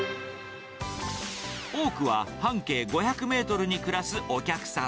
多くは半径５００メートルに暮らすお客さん。